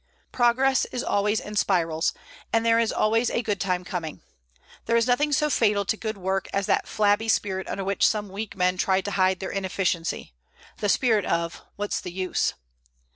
Progress is always in spirals, and there is always a good time coming. There is nothing so fatal to good work as that flabby spirit under which some weak men try to hide their inefficiency the spirit of "What's the use?"